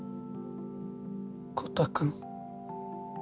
コタくん。